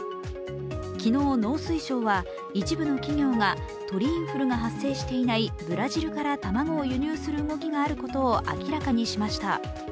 昨日、農水省は一部の企業が鳥インフルが発生していないブラジルから卵を輸入する動きがあることを明らかにしました。